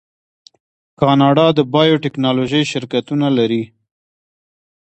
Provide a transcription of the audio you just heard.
کاناډا د بایو ټیکنالوژۍ شرکتونه لري.